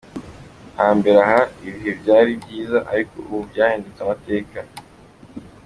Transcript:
Ha mbere aha, ibihe byari byiza ariko ubu byahindutse amateka.